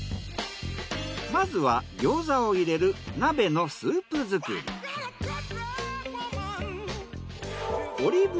まずは餃子を入れる鍋のスープ作り。